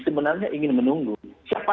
sebenarnya ingin menunggu siapa